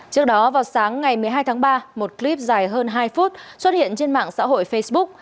trước đó vào sáng ngày một mươi hai tháng ba một clip dài hơn hai phút xuất hiện trên mạng xã hội facebook